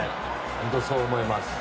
本当にそう思います。